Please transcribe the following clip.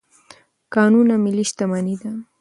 کانونه ملي شتمني ده.